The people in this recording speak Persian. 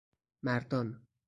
مردان